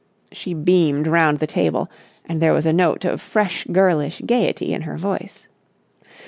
She beamed round the table, and there was a note of fresh girlish gaiety in her voice.